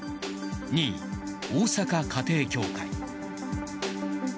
２位、大阪家庭教会。